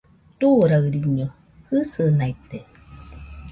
Turaɨriño jɨsɨnaite